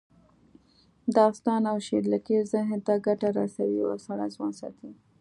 داستان او شعر لیکل ذهن ته ګټه رسوي او سړی ځوان ساتي